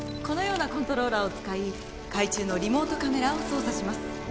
このようなコントローラーを使い海中のリモートカメラを操作します